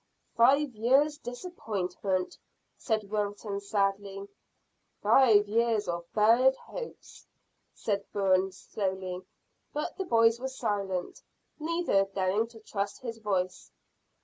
"Five years' disappointment," said Wilton sadly. "Five years of buried hopes," said Bourne slowly; but the boys were silent, neither daring to trust his voice.